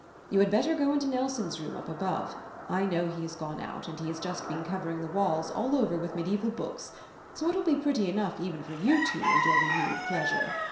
You had better go into Nelson's room up above; I know he has gone out; and he has just been covering the walls all over with mediaeval books, so it will be pretty enough even for you two and your renewed pleasure."